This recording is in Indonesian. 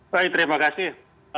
baik terima kasih